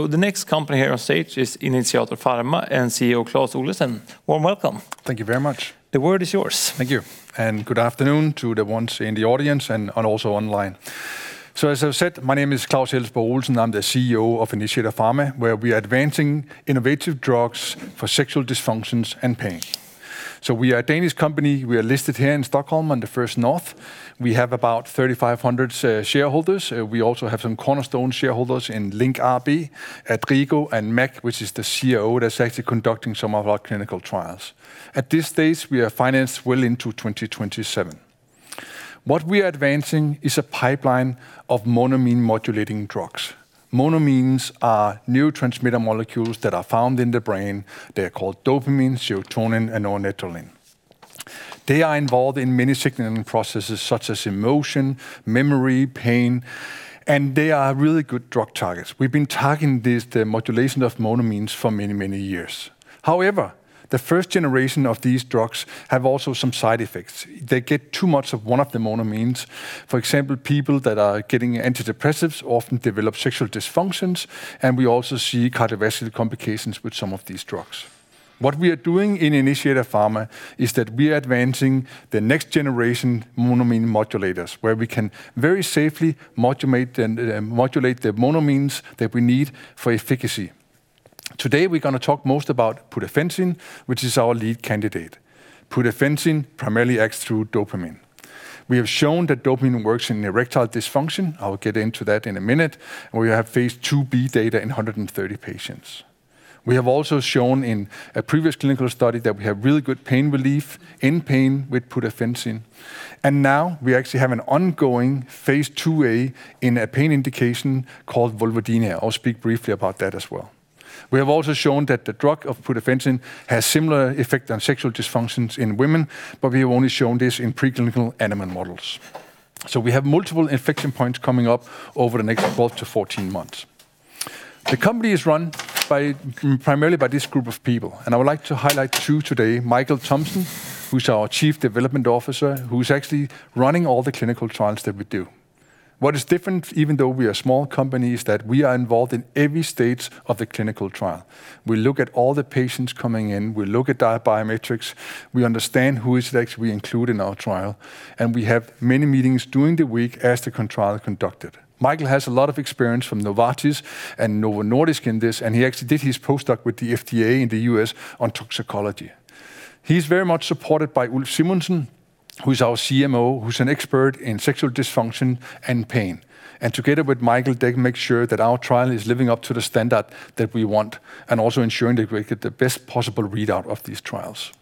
The next company here on stage is Initiator Pharma and CEO Claus Elsborg Olesen. Warm welcome. Thank you very much. The word is yours. Thank you, and good afternoon to the ones in the audience and also online. As I've said, my name is Claus Elsborg Olesen. I'm the CEO of Initiator Pharma, where we are advancing innovative drugs for sexual dysfunctions and pain. We are a Danish company. We are listed here in Stockholm on the First North. We have about 3,500 shareholders. We also have some cornerstone shareholders in Linc AB, Adrigo, and MAC, which is the CRO that's actually conducting some of our clinical trials. At this stage, we are financed well into 2027. What we are advancing is a pipeline of monoamine modulating drugs. Monoamines are neurotransmitter molecules that are found in the brain. They are called dopamine, serotonin, and norepinephrine. They are involved in many signaling processes such as emotion, memory, pain, and they are really good drug targets. We've been targeting these, the modulation of monoamines for many, many years. However, the first generation of these drugs have also some side effects. They get too much of one of the monoamines. For example, people that are getting antidepressants often develop sexual dysfunctions, and we also see cardiovascular complications with some of these drugs. What we are doing in Initiator Pharma is that we are advancing the next generation monoamine modulators, where we can very safely modulate the monoamines that we need for efficacy. Today, we're gonna talk most about Pudafensine, which is our lead candidate. Pudafensine primarily acts through dopamine. We have shown that dopamine works in erectile dysfunction. I will get into that in a minute. We have Phase IIB data in 130 patients. We have also shown in a previous clinical study that we have really good pain relief in pain with Pudafensine. Now we actually have an ongoing Phase IIA in a pain indication called vulvodynia. I'll speak briefly about that as well. We have also shown that the drug of Pudafensine has similar effect on sexual dysfunctions in women, but we have only shown this in preclinical animal models. We have multiple inflection points coming up over the next 12-14 months. The company is run primarily by this group of people, and I would like to highlight two today. Michael Thompson, who's our Chief Development Officer, who's actually running all the clinical trials that we do. What is different, even though we are a small company, is that we are involved in every stage of the clinical trial. We look at all the patients coming in. We look at their biometrics. We understand who is it actually we include in our trial, and we have many meetings during the week as the trial is conducted. Michael has a lot of experience from Novartis and Novo Nordisk in this, and he actually did his postdoc with the FDA in the U.S. on toxicology. He's very much supported by Ulf Simonsen, who's our CMO, who's an expert in sexual dysfunction and pain. Together with Michael, they make sure that our trial is living up to the standard that we want and also ensuring that we get the best possible readout of these trials.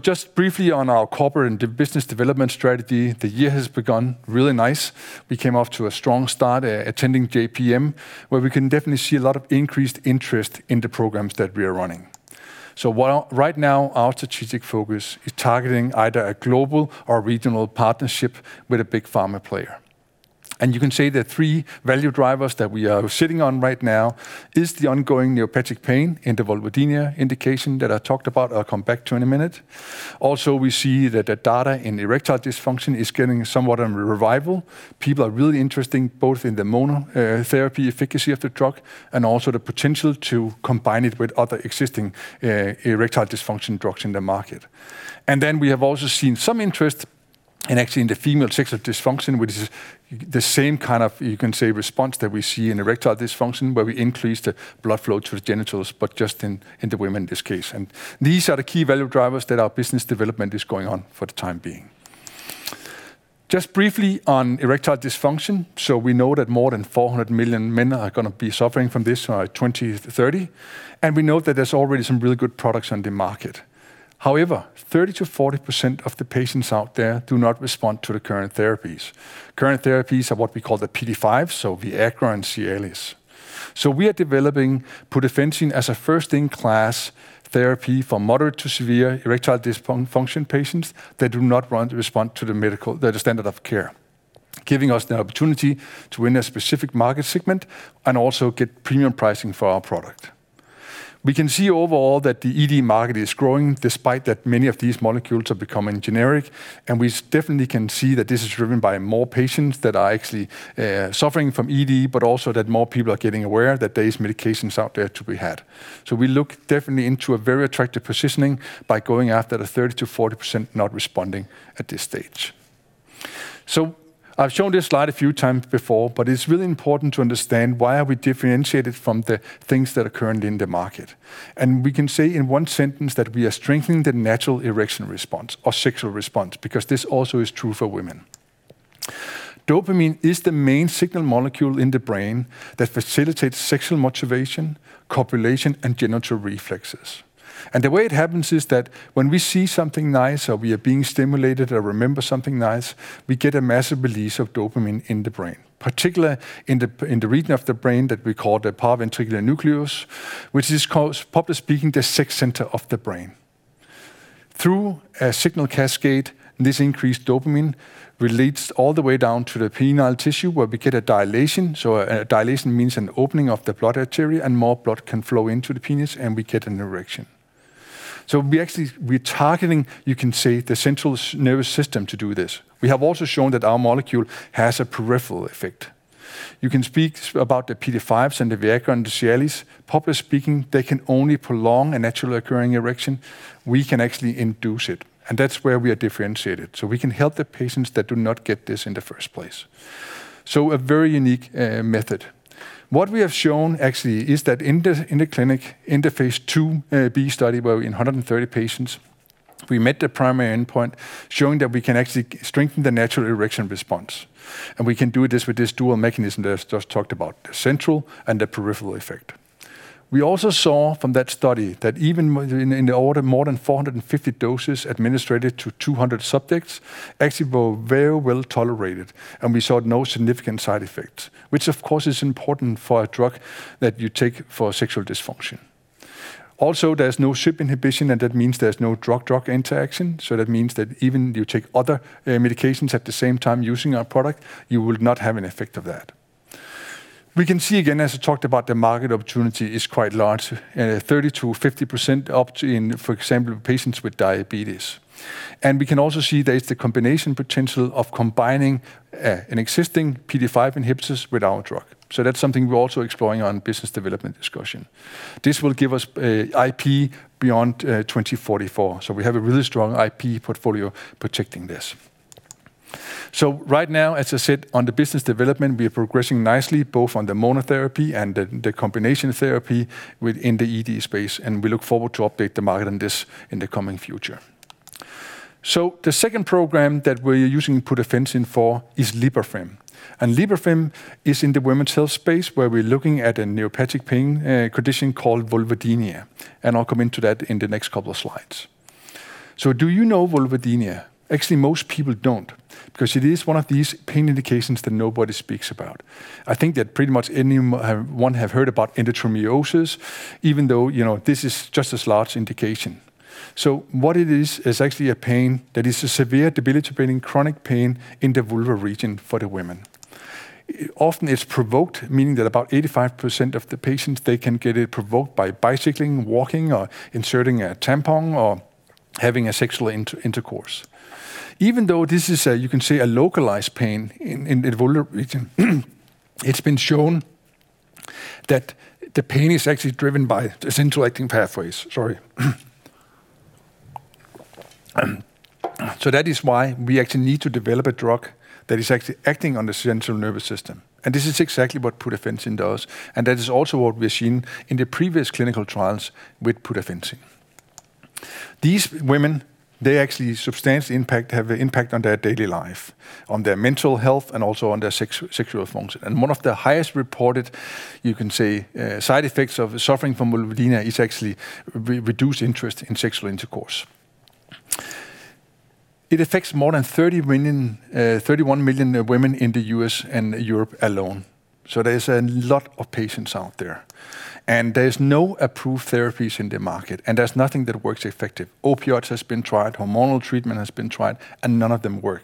Just briefly on our corporate and business development strategy, the year has begun really nice. We came off to a strong start, attending JPM, where we can definitely see a lot of increased interest in the programs that we are running. Right now, our strategic focus is targeting either a global or regional partnership with a big pharma player. You can say the three value drivers that we are sitting on right now is the ongoing neuropathic pain in the vulvodynia indication that I talked about. I'll come back to in a minute. Also, we see that the data in erectile dysfunction is getting somewhat a revival. People are really interested both in the mono therapy efficacy of the drug and also the potential to combine it with other existing erectile dysfunction drugs in the market. We have also seen some interest in actually in the female sexual dysfunction, which is the same kind of, you can say, response that we see in erectile dysfunction, where we increase the blood flow to the genitals, but just in the women in this case. These are the key value drivers that our business development is going on for the time being. Just briefly on erectile dysfunction. We know that more than 400 million men are gonna be suffering from this by 2030, and we know that there's already some really good products on the market. However, 30%-40% of the patients out there do not respond to the current therapies. Current therapies are what we call the PDE5, so Viagra and Cialis. We are developing Pudafensine as a first-in-class therapy for moderate to severe erectile dysfunction patients that do not respond to the standard of care, giving us the opportunity to win a specific market segment and also get premium pricing for our product. We can see overall that the ED market is growing despite that many of these molecules are becoming generic. We definitely can see that this is driven by more patients that are actually suffering from ED, but also that more people are getting aware that there is medications out there to be had. We look definitely into a very attractive positioning by going after the 30%-40% not responding at this stage. I've shown this slide a few times before, but it's really important to understand why are we differentiated from the things that are currently in the market. We can say in one sentence that we are strengthening the natural erection response or sexual response, because this also is true for women. Dopamine is the main signal molecule in the brain that facilitates sexual motivation, copulation, and genital reflexes. The way it happens is that when we see something nice or we are being stimulated or remember something nice, we get a massive release of dopamine in the brain, particularly in the region of the brain that we call the paraventricular nucleus, which is called, publicly speaking, the sex center of the brain. Through a signal cascade, this increased dopamine relates all the way down to the penile tissue where we get a dilation. A dilation means an opening of the blood artery and more blood can flow into the penis and we get an erection. We actually, we're targeting, you can say, the central nervous system to do this. We have also shown that our molecule has a peripheral effect. You can speak about the PDE5s and the Viagra and the Cialis. Practically speaking, they can only prolong a natural occurring erection. We can actually induce it, and that's where we are differentiated. We can help the patients that do not get this in the first place. A very unique method. What we have shown actually is that in the clinic, in the phase IIB study wherein 130 patients, we met the primary endpoint showing that we can actually strengthen the natural erection response. We can do this with this dual mechanism that I just talked about, the central and the peripheral effect. We also saw from that study that even within the order more than 450 doses administered to 200 subjects actually were very well-tolerated, and we saw no significant side effects, which of course is important for a drug that you take for sexual dysfunction. Also, there's no CYP inhibition, and that means there's no drug-drug interaction. That means that even if you take other medications at the same time using our product, you will not have an effect of that. We can see again, as I talked about, the market opportunity is quite large, 30%-50% up to in, for example, patients with diabetes. We can also see there's the combination potential of combining an existing PDE5 inhibitors with our drug. That's something we're also exploring on business development discussion. This will give us a IP beyond 2044. We have a really strong IP portfolio protecting this. Right now, as I said, on the business development, we are progressing nicely both on the monotherapy and the combination therapy within the ED space, and we look forward to update the market on this in the coming future. The second program that we're using Pudafensine for is Libafem. Libafem is in the women's health space, where we're looking at a neuropathic pain condition called vulvodynia, and I'll come into that in the next couple of slides. Do you know vulvodynia? Actually, most people don't, because it is one of these pain indications that nobody speaks about. I think that pretty much anyone have heard about endometriosis, even though, you know, this is just as large indication. What it is actually a pain that is a severe, debilitating, chronic pain in the vulvar region for the women. It often is provoked, meaning that about 85% of the patients, they can get it provoked by bicycling, walking, or inserting a tampon or having a sexual intercourse. Even though this is a, you can say, a localized pain in the vulvar region, it's been shown that the pain is actually driven by the central acting pathways. Sorry. That is why we actually need to develop a drug that is actually acting on the central nervous system. This is exactly what Pudafensine does, and that is also what we have seen in the previous clinical trials with Pudafensine. These women, they actually substantially impact, have impact on their daily life, on their mental health, and also on their sexual function. One of the highest reported, you can say, side effects of suffering from vulvodynia is actually reduced interest in sexual intercourse. It affects more than 31 million women in the U.S. and Europe alone. There's a lot of patients out there, and there's no approved therapies in the market, and there's nothing that works effective. Opioids has been tried, hormonal treatment has been tried, and none of them work.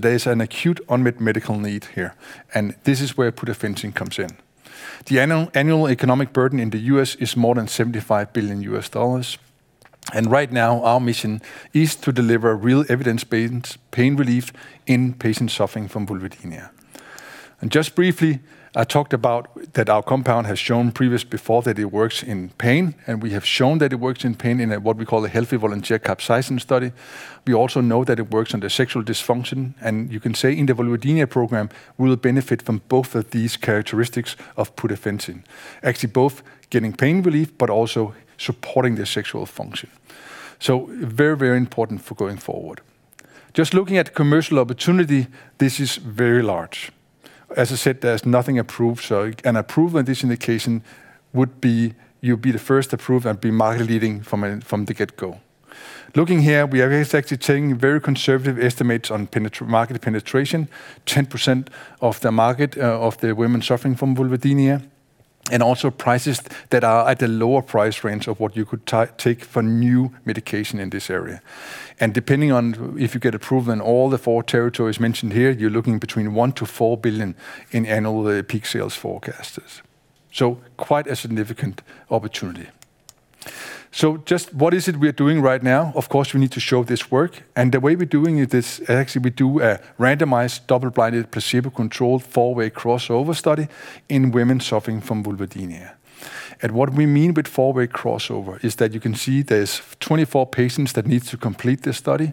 There's an acute unmet medical need here, and this is where Pudafensine comes in. The annual economic burden in the U.S. is more than $75 billion. Right now, our mission is to deliver real evidence-based pain relief in patients suffering from vulvodynia. Just briefly, I talked about that our compound has shown previous before that it works in pain, and we have shown that it works in pain in a, what we call a healthy volunteer capsaicin study. We also know that it works under sexual dysfunction, and you can say in the vulvodynia program, we'll benefit from both of these characteristics of Pudafensine. Actually, both getting pain relief but also supporting the sexual function. Very, very important for going forward. Just looking at commercial opportunity, this is very large. As I said, there's nothing approved, so an approval on this indication would be you'd be the first approved and be market leading from the get go. Looking here, we are actually taking very conservative estimates on market penetration, 10% of the market, of the women suffering from vulvodynia, and also prices that are at a lower price range of what you could take for new medication in this area. Depending on if you get approved in all the four territories mentioned here, you're looking between $1-$4 billion in annual peak sales forecasts. Quite a significant opportunity. Just what is it we are doing right now? Of course, we need to show this work, and the way we're doing it is actually we do a randomized, double-blinded, placebo-controlled, four-way crossover study in women suffering from vulvodynia. What we mean with four-way crossover is that you can see there's 24 patients that need to complete this study.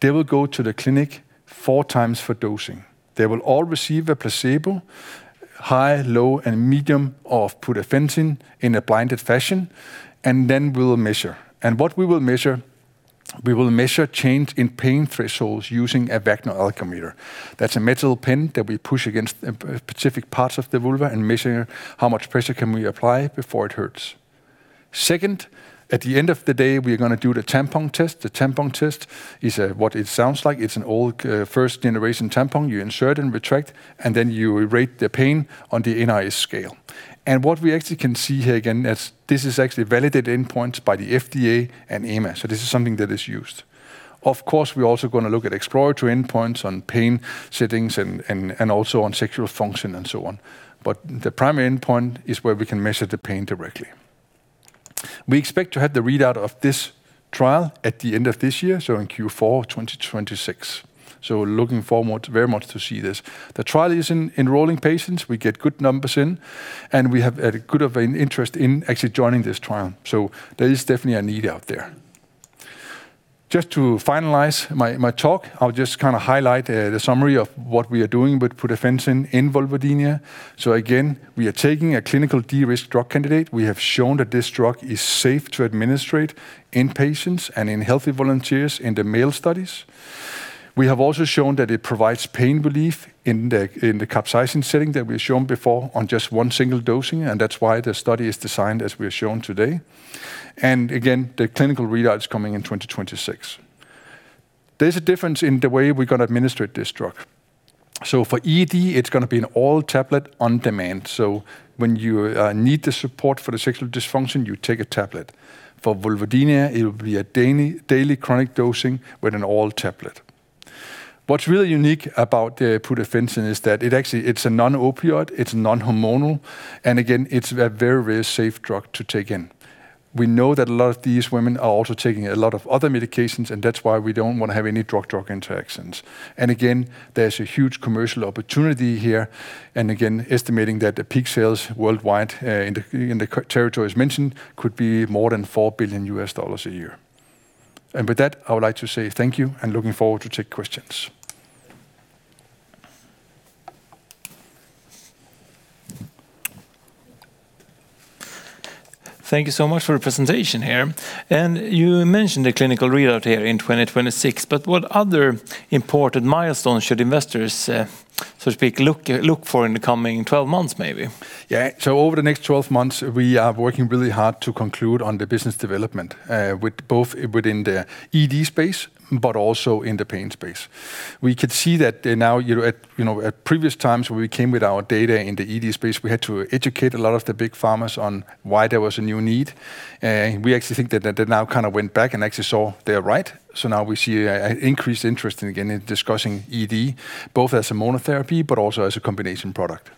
They will go to the clinic four times for dosing. They will all receive a placebo, high, low and medium of Pudafensine in a blinded fashion, and then we'll measure. What we will measure, we will measure change in pain thresholds using a Wagner algometer. That's a metal pen that we push against specific parts of the vulva and measure how much pressure can we apply before it hurts. Second, at the end of the day, we are gonna do the tampon test. The tampon test is, what it sounds like. It's an old, first generation tampon you insert and retract, and then you rate the pain on the NRS scale. What we actually can see here again is this is actually validated endpoints by the FDA and EMA. This is something that is used. Of course, we're also gonna look at exploratory endpoints on pain settings and also on sexual function and so on. The primary endpoint is where we can measure the pain directly. We expect to have the readout of this trial at the end of this year, so in Q4 2026. Looking forward very much to see this. The trial is enrolling patients. We get good numbers in, and we have a good deal of interest in actually joining this trial. There is definitely a need out there. Just to finalize my talk, I'll just kind of highlight the summary of what we are doing with Pudafensine in vulvodynia. Again, we are taking a clinical de-risked drug candidate. We have shown that this drug is safe to administrate in patients and in healthy volunteers in the male studies. We have also shown that it provides pain relief in the capsaicin setting that we've shown before on just one single dosing, and that's why the study is designed as we have shown today. Again, the clinical readout is coming in 2026. There's a difference in the way we're gonna administer this drug. For ED, it's gonna be an oral tablet on demand. When you need the support for the sexual dysfunction, you take a tablet. For vulvodynia, it will be a daily chronic dosing with an oral tablet. What's really unique about the Pudafensine is that it actually it's a non-opioid, it's non-hormonal, and again, it's a very, very safe drug to take in. We know that a lot of these women are also taking a lot of other medications, and that's why we don't wanna have any drug-drug interactions. There's a huge commercial opportunity here, and again, estimating that the peak sales worldwide in the core territories mentioned could be more than $4 billion a year. With that, I would like to say thank you and looking forward to take questions. Thank you so much for the presentation here. You mentioned the clinical readout here in 2026, but what other important milestones should investors, so to speak, look for in the coming 12 months, maybe? Yeah. Over the next 12 months, we are working really hard to conclude on the business development with both within the ED space but also in the pain space. We could see that now, you know, at previous times when we came with our data in the ED space, we had to educate a lot of the big pharmas on why there was a new need. We actually think that they now kind of went back and actually saw they are right. Now we see an increased interest in, again, in discussing ED, both as a monotherapy but also as a combination product.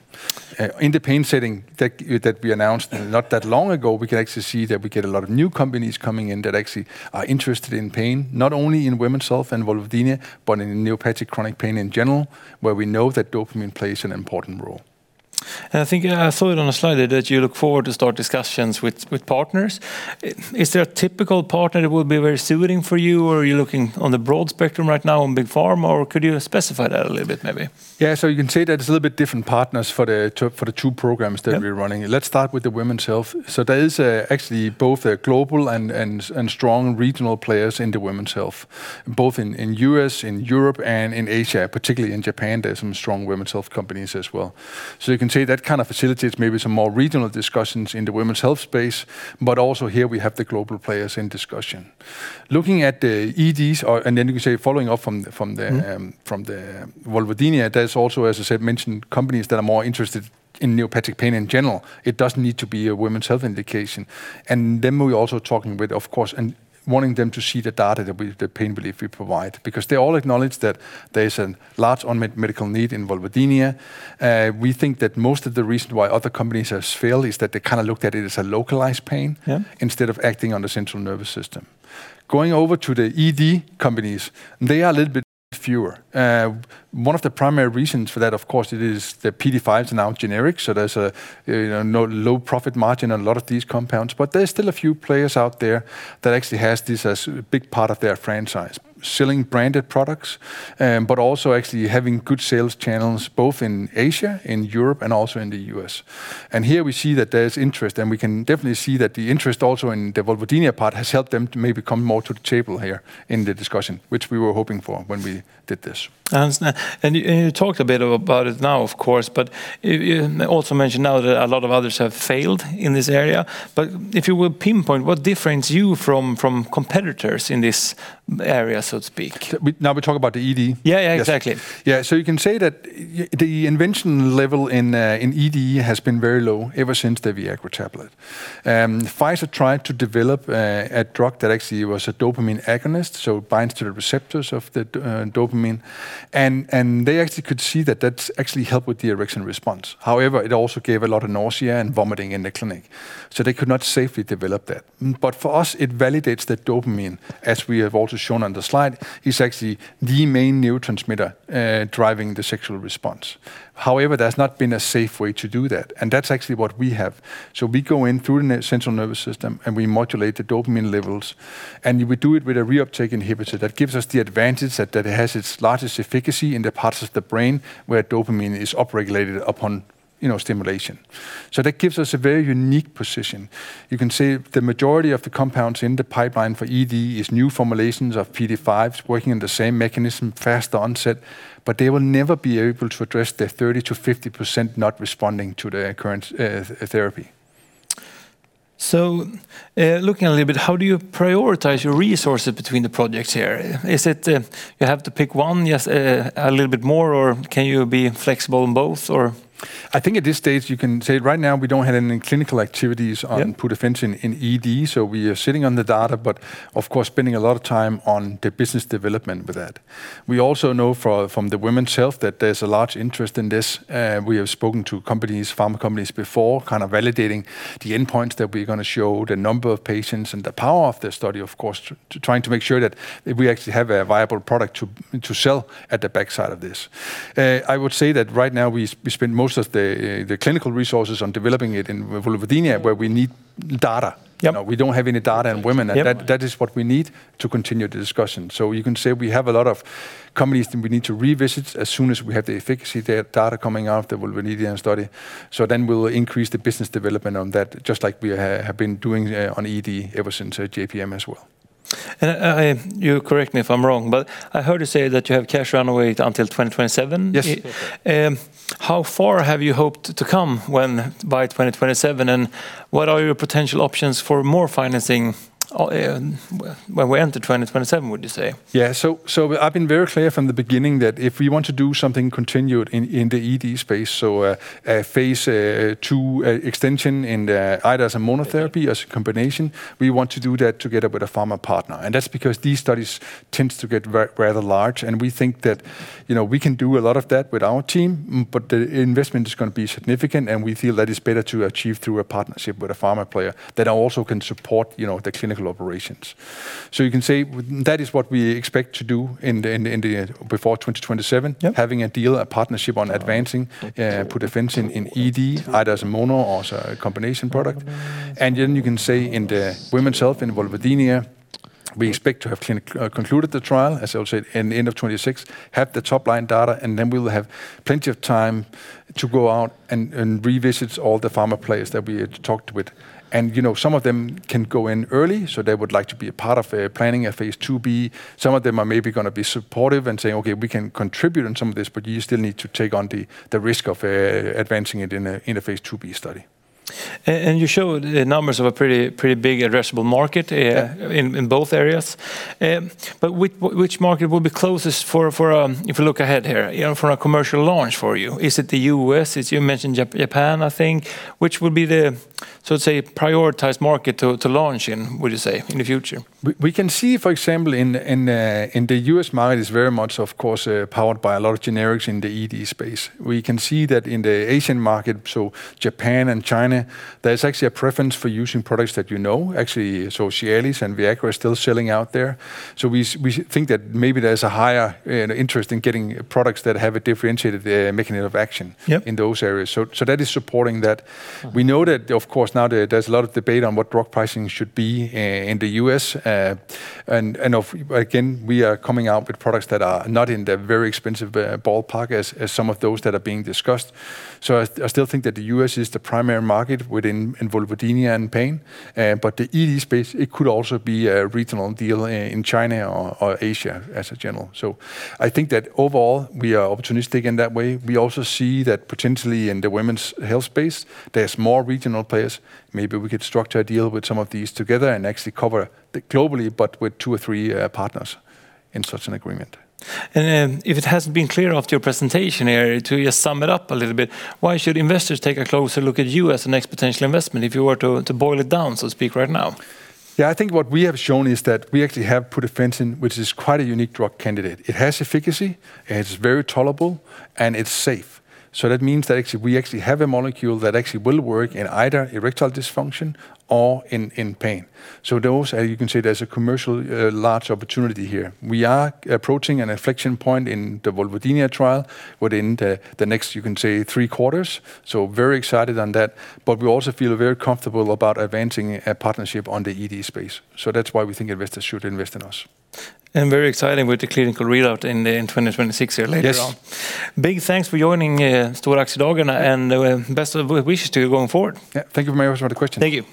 In the pain setting that we announced not that long ago, we can actually see that we get a lot of new companies coming in that actually are interested in pain, not only in women's health and Vulvodynia, but in neuropathic chronic pain in general, where we know that dopamine plays an important role. I think I saw it on a slide there that you look forward to start discussions with partners. Is there a typical partner that will be very suitable for you, or are you looking at the broad spectrum right now on big pharma, or could you specify that a little bit maybe? Yeah. You can say that it's a little bit different partners for the two programs that we're running. Yeah. Let's start with the women's health. There is actually both a global and strong regional players in the women's health, both in U.S., in Europe and in Asia. Particularly in Japan, there's some strong women's health companies as well. You can say that kind of facilitates maybe some more regional discussions in the women's health space, but also here we have the global players in discussion. Looking at the EDs and then you can say following up from the. Mm-hmm From the vulvodynia, there's also, as I said, mentioned companies that are more interested in neuropathic pain in general. It doesn't need to be a women's health indication. We're also talking with, of course, and wanting them to see the pain relief we provide because they all acknowledge that there's a large unmet medical need in vulvodynia. We think that most of the reason why other companies have failed is that they kinda looked at it as a localized pain. Yeah Instead of acting on the central nervous system. Going over to the ED companies, they are a little bit fewer. One of the primary reasons for that, of course, it is the PDE5s are now generic, so there's a, you know, no low profit margin on a lot of these compounds. But there's still a few players out there that actually has this as a big part of their franchise, selling branded products, but also actually having good sales channels both in Asia, in Europe and also in the US. Here we see that there's interest, and we can definitely see that the interest also in the vulvodynia part has helped them to maybe come more to the table here in the discussion, which we were hoping for when we did this. I understand. You talked a bit about it now, of course, but you also mentioned now that a lot of others have failed in this area. If you would pinpoint what difference you from competitors in this area, so to speak. Now we talk about the ED? Yeah, yeah, exactly. Yeah. You can say that the invention level in ED has been very low ever since the Viagra tablet. Pfizer tried to develop a drug that actually was a dopamine agonist, so it binds to the receptors of the dopamine. They actually could see that that's actually helped with the erection response. However, it also gave a lot of nausea and vomiting in the clinic, so they could not safely develop that. For us, it validates that dopamine, as we have also shown on the slide, is actually the main neurotransmitter driving the sexual response. However, there's not been a safe way to do that, and that's actually what we have. We go in through the central nervous system, and we modulate the dopamine levels, and we do it with a reuptake inhibitor that gives us the advantage that it has its largest efficacy in the parts of the brain where dopamine is upregulated upon, you know, stimulation. That gives us a very unique position. You can say the majority of the compounds in the pipeline for ED is new formulations of PDE5s working in the same mechanism, faster onset, but they will never be able to address the 30%-50% not responding to the current therapy. Looking a little bit, how do you prioritize your resources between the projects here? Is it, you have to pick one just, a little bit more, or can you be flexible in both or? I think at this stage you can say right now we don't have any clinical activities on. Yeah Pudafensine in ED, so we are sitting on the data but of course spending a lot of time on the business development with that. We also know from the women's health that there's a large interest in this. We have spoken to companies, pharma companies before kind of validating the endpoints that we're gonna show, the number of patients and the power of the study of course trying to make sure that we actually have a viable product to sell at the backside of this. I would say that right now we spend most of the clinical resources on developing it in vulvodynia where we need data. Yep. You know, we don't have any data in women. Yep. That is what we need to continue the discussion. You can say we have a lot of companies that we need to revisit as soon as we have the efficacy data coming out of the vulvodynia study. We'll increase the business development on that, just like we have been doing on ED ever since JPM as well. You correct me if I'm wrong, but I heard you say that you have cash run rate until 2027. Yes. How far have you hoped to come when by 2027, and what are your potential options for more financing, by when to 2027, would you say? Yeah. I've been very clear from the beginning that if we want to do something continued in the ED space, a phase II extension either as a monotherapy- Yeah As a combination, we want to do that together with a pharma partner. That's because these studies tends to get rather large, and we think that, you know, we can do a lot of that with our team, but the investment is gonna be significant and we feel that it's better to achieve through a partnership with a pharma player that also can support, you know, the clinical operations. You can say that is what we expect to do in the before 2027. Yep. Having a deal, a partnership on advancing Pudafensine in ED, either as a mono or as a combination product. Then you can say in the women's health, in vulvodynia, we expect to have the clinical trial concluded, as I will say at the end of 2026, have the top-line data, and then we will have plenty of time to go out and revisit all the pharma players that we had talked with. You know, some of them can go in early, so they would like to be a part of planning a Phase IIB. Some of them are maybe gonna be supportive and say, "Okay, we can contribute in some of this," but you still need to take on the risk of advancing it in a Phase IIB study. You showed the numbers of a pretty big addressable market. Yeah In both areas. Which market will be closest for if you look ahead here, you know, for a commercial launch for you? Is it the U.S.? As you mentioned, Japan, I think. Which will be the, so to say, prioritized market to launch in, would you say, in the future? We can see, for example, in the U.S. market is very much of course, powered by a lot of generics in the ED space. We can see that in the Asian market, so Japan and China, there's actually a preference for using products that you know. Actually, Cialis and Viagra are still selling out there. We think that maybe there's a higher interest in getting products that have a differentiated mechanism of action. Yep In those areas. That is supporting that. We know that of course now there's a lot of debate on what drug pricing should be in the U.S. Again, we are coming out with products that are not in the very expensive ballpark as some of those that are being discussed. I still think that the U.S. is the primary market within vulvodynia and pain. The ED space, it could also be a regional deal in China or Asia in general. I think that overall we are opportunistic in that way. We also see that potentially in the women's health space, there's more regional players. Maybe we could structure a deal with some of these together and actually cover globally but with two or three partners in such an agreement. If it hasn't been clear after your presentation here, to just sum it up a little bit, why should investors take a closer look at you as the next potential investment, if you were to boil it down, so to speak, right now? Yeah. I think what we have shown is that we actually have Pudafensine which is quite a unique drug candidate. It has efficacy, and it's very tolerable, and it's safe. That means that actually we have a molecule that actually will work in either erectile dysfunction or in pain. Those, you can say there's a commercial large opportunity here. We are approaching an inflection point in the vulvodynia trial within the next, you can say, three quarters. Very excited on that. We also feel very comfortable about advancing a partnership on the ED space. That's why we think investors should invest in us. Very exciting with the clinical readout in 2026 here later on. Yes. Big thanks for joining Stora Aktiedagen, and best of wishes to you going forward. Yeah. Thank you very much for the question. Thank you.